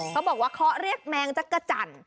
เขาบอกว่าเคาะเรียกแมงจักรจันทร์